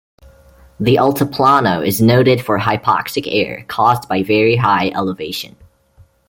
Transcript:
The Altiplano is noted for hypoxic air caused by very high elevation.